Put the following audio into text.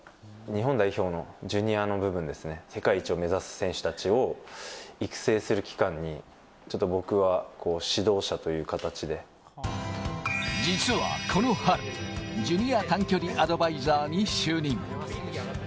日本代表のジュニアの部門ですね、世界一を目指す選手たちを育成する機関に、実は、この春、ジュニア単距離アドバイザーに就任。